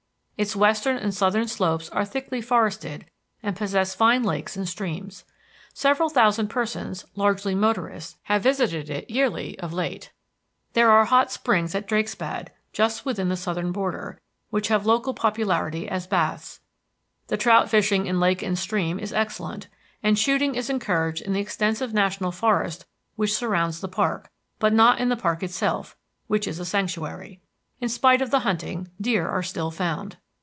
Its western and southern slopes are thickly forested and possess fine lakes and streams. Several thousand persons, largely motorists, have visited it yearly of late. There are hot springs at Drakesbad, just within the southern border, which have local popularity as baths. The trout fishing in lake and stream is excellent, and shooting is encouraged in the extensive national forest which surrounds the park, but not in the park itself, which is sanctuary. In spite of the hunting, deer are still found.